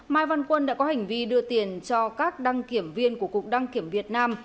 mai văn quân đã có hành vi đưa tiền cho các đăng kiểm viên của cục đăng kiểm việt nam